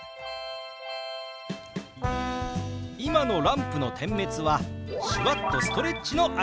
今のランプの点滅は手話っとストレッチの合図です！